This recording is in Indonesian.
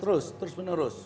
terus terus menerus